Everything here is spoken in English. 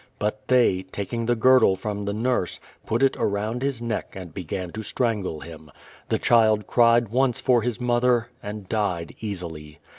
But they, taking the girdle from the nurse, put it around his neck and began to strangle him. The child cried once for his mother, and died easily.